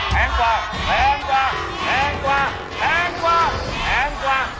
แพงก่อน